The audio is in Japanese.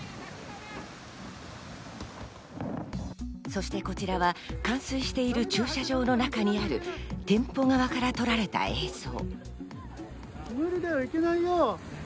そして、こちらは冠水している駐車場の中にある店舗側から撮られた映像。